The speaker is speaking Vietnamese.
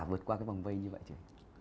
vượt qua cái vòng vây như vậy chứ